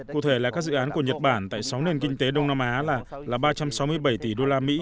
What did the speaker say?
cụ thể là các dự án của nhật bản tại sáu nền kinh tế đông nam á là ba trăm sáu mươi bảy tỷ usd